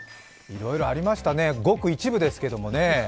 いろいろありましたね、ごく一部ですけれどもね。